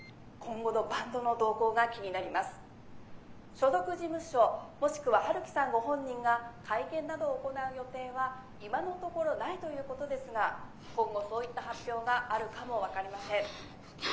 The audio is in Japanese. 所属事務所もしくは陽樹さんご本人が会見などを行う予定は今のところないということですが今後そういった発表があるかも分かりません。